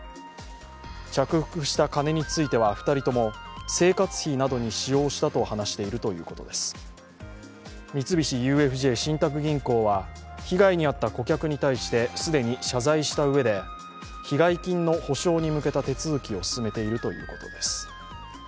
着服した金については、２人とも生活費などに使用したと話しているということです。三菱ＵＦＪ信託銀行は、被害に遭った顧客に対して既に謝罪したうえで、被害金の補償に向けた手続きを進めているということです。